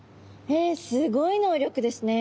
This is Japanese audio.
へえすごい能力ですね。